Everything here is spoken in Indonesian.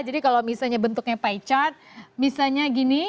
jadi kalau misalnya bentuknya pay chart misalnya gini